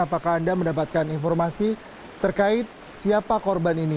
apakah anda mendapatkan informasi terkait siapa korban ini